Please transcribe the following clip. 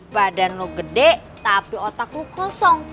badan lu gede tapi otak lu kosong